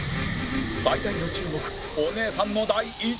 最大の注目お姉さんの第１位は？